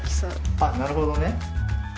あなるほどね。